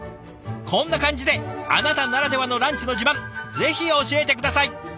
こんな感じであなたならではのランチの自慢ぜひ教えて下さい。